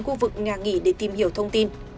khu vực nhà nghỉ để tìm hiểu thông tin